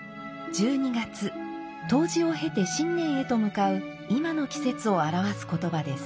１２月冬至を経て新年へと向かう今の季節を表す言葉です。